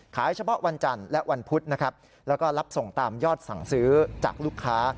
เฉพาะวันจันทร์และวันพุธนะครับแล้วก็รับส่งตามยอดสั่งซื้อจากลูกค้า